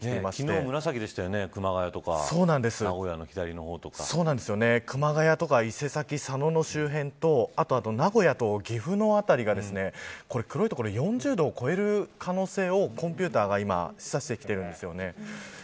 昨日、紫でしたよね熊谷とか名古屋の左の方とか熊谷とか伊勢崎、佐野の周辺とあとは名古屋と岐阜の辺りが黒い所４０度を超える可能性をコンピューターが示唆してきているんですよね。